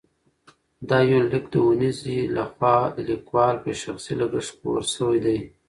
دا یونلیک د اونیزې له خوا د لیکوال په شخصي لګښت خپور شوی دی.